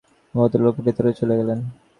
ভদ্রলোক আনিসকে বাইরে বসিয়ে ভেতরে চলে গেলেন।